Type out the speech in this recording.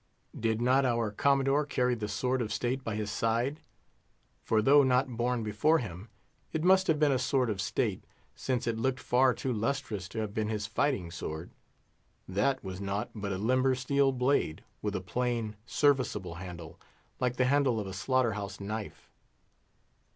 Did not our Commodore carry the sword of state by his side? For though not borne before him, it must have been a sword of state, since it looked far to lustrous to have been his fighting sword. That was naught but a limber steel blade, with a plain, serviceable handle, like the handle of a slaughter house knife.